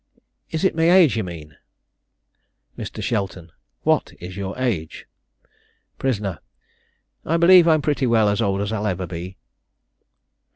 Is it my age you mean? Mr. Shelton. What is your age? Prisoner. I believe I am pretty well as ould as ever I'll be.